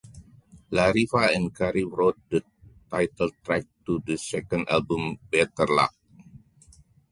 Larriva and Curry wrote the title track to the second album "Better Luck".